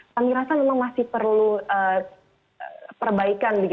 saya merasa memang masih perlu perbaikan